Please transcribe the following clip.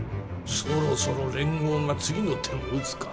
そろそろ連合が次の手を打つか。